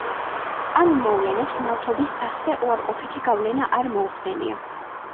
ამ მოვლენებს ნავთობის ფასზე უარყოფითი გავლენა არ მოუხდენია.